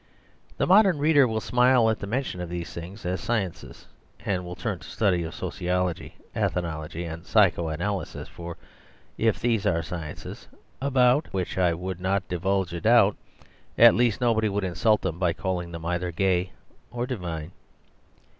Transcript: The modern reader will smile at the mention of these things as sciences; and will turn to the study of sociology, ethnology and psycho analysis; for if these are sciences (about which I would not divulge a doubt) at least nobody would in sult them by calling them either gay or di vine.